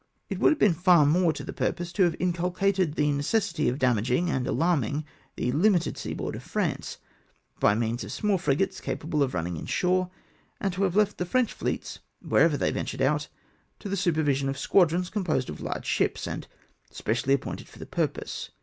It would have been far more to the pur pose to have inculcated the necessity of damaging and alarming the Hmited seaboard of France, by means of small frigates capable of running in shore, and to have left the French fleets, whenever they ventured out, to the supervision of squadrons composed of large ships, and specially appointed for the purpose.